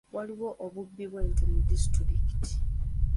Waliwo obubbi bw'ente mu disitulikiti.